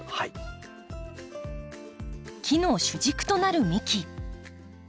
木の主軸となる幹。